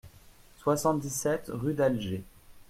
soixante-dix-sept rue d'Alger